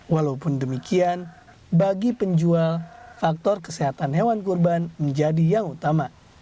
walaupun demikian bagi penjual faktor kesehatan hewan kurban menjadi yang utama